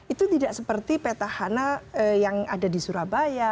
itu tidak seperti petahana yang ada di surabaya